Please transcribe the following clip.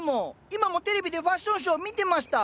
今もテレビでファッションショー見てました！